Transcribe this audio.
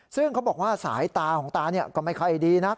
ซึ่งเขาบอกว่าสายตาของตาก็ไม่ค่อยดีนัก